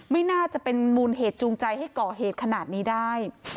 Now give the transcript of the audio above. ไม่น่าจะเป็นมูลเหตุจูงใจให้ก่อเหตุขนาดนี้ได้